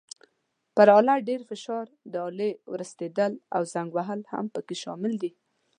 پر آله ډېر فشار، د آلې ورستېدل او زنګ وهل هم پکې شامل دي.